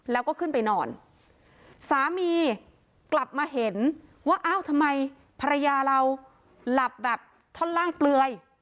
แล้วก็ขึ้นไปนอนสามีกลับมาเห็นว่าอ้าวทำไมภรรยาเราหลับแบบท่อนล่างเปลือย